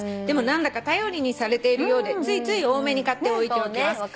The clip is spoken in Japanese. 「でも何だか頼りにされているようでついつい多めに買って置いておきます」